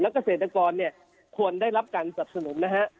เกษตรกรเนี่ยควรได้รับการสับสนุนนะฮะ